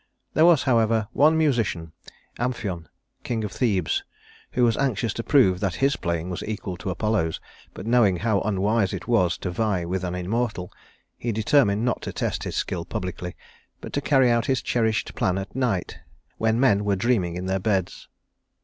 There was, however, one musician, Amphion, king of Thebes, who was anxious to prove that his playing was equal to Apollo's, but knowing how unwise it was to vie with an immortal, he determined not to test his skill publicly, but to carry out his cherished plan at night, when men were dreaming in their beds.